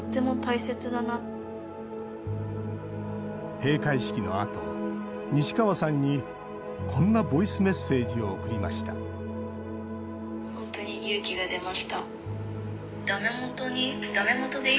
閉会式のあと、西川さんにこんなボイスメッセージを送りましたおはようございます。